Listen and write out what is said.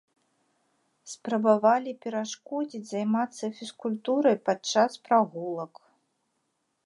Спрабавалі перашкодзіць займацца фізкультурай падчас прагулак.